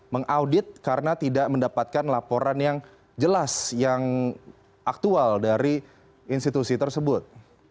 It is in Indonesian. mengaudit karena tidak mendapatkan laporan yang jelas yang aktual dari institusi tersebut